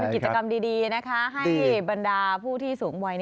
กิจกรรมดีให้บรรดาผู้ที่สูงวัย